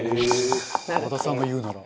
「和田さんが言うなら」